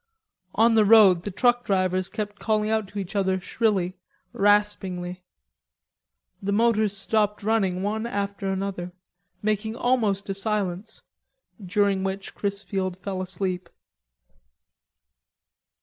On the road the truck drivers kept calling out to each other shrilly, raspingly. The motors stopped running one after another, making almost a silence, during which Chrisfield fell asleep.